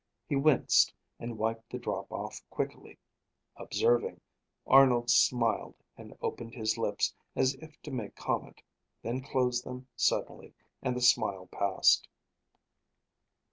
He winced and wiped the drop off quickly. Observing, Arnold smiled and opened his lips as if to make comment; then closed them suddenly, and the smile passed.